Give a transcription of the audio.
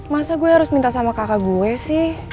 masa gue harus minta sama kakak gue sih